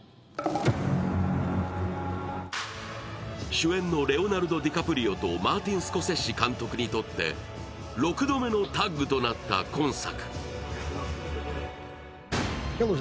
主演のレオナルド・ディカプリオとマーティン・スコセッシ監督にとって６度目のタッグとなった今作。